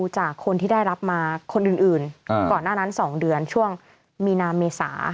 จากคนที่ได้รับมาคนอื่นก่อนหน้านั้น๒เดือนช่วงมีนาเมษา